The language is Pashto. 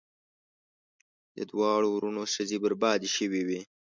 د دواړو وروڼو ښځې بربادي شوې وې.